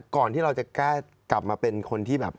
ก่อนที่เราจะกล้ากลับมาเป็นคนที่แบบ